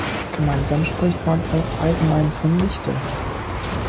Gemeinsam spricht man auch allgemein von Lichte.